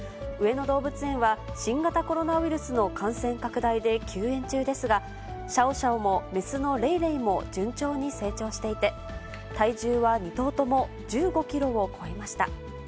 上野動物園は、新型コロナウイルスの感染拡大で休園中ですが、シャオシャオも雌のレイレイも順調に成長していて、体重は２頭とも１５キロを超えました。